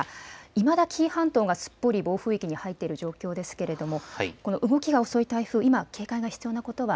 いまだ紀伊半島がすっぽり暴風域に入っている状況ですけれども動きが遅い台風今警戒が必要なことは